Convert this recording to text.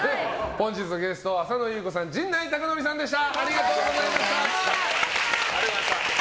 本日のゲストは浅野ゆう子さんと陣内孝則さんでした。